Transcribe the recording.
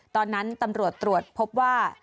ตอนนั้นตำรวจตรวจพบว่า